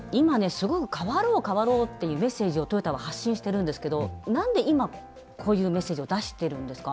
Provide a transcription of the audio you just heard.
すごく変わろう変わろうっていうメッセージをトヨタは発信してるんですけど何で今こういうメッセージを出してるんですか？